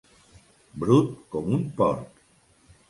Brut com un porc.